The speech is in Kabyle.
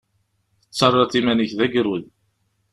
Tettarraḍ iman-ik d agrud.